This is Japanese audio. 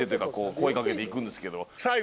声かけていくんですけど。